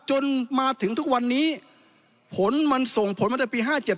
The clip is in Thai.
จนมาถึงทุกวันนี้ผลมันส่งผลมาตั้งแต่ปี๕๗